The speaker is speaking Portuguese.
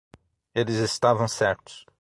Eles estavam certos